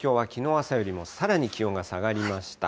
朝よりもさらに気温が下がりました。